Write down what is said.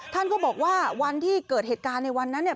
ท่านก็บอกว่าวันที่เกิดเหตุการณ์ในวันนั้นเนี่ย